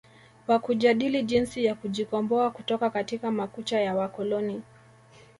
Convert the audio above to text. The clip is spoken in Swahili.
wa kujadili jinsi ya kujikomboa kutoka katika makucha ya wakoloni